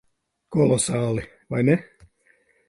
Kolosāli. Vai ne?